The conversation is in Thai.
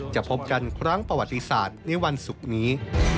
จะพบกันครั้งประวัติศาสตร์ในวันศุกร์นี้